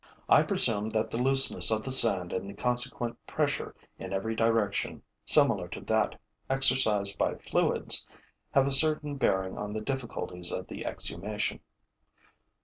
I presume that the looseness of the sand and the consequent pressure in every direction, similar to that exercised by fluids, have a certain bearing on the difficulties of the exhumation.